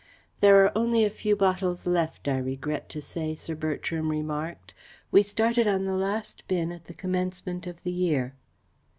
"There are only a few bottles left, I regret to say," Sir Bertram remarked. "We started on the last bin at the commencement of the year."